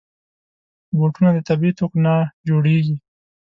بوټونه د طبعي توکو نه جوړېږي.